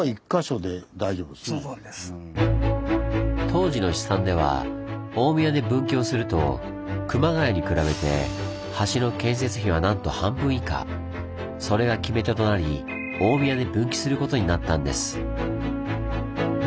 当時の試算では大宮で分岐をすると熊谷に比べてそれが決め手となり大宮で分岐することになったんです。